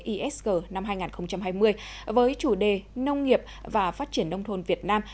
isg năm hai nghìn hai mươi với chủ đề nông nghiệp và phát triển nông thôn việt nam